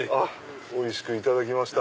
おいしくいただきました。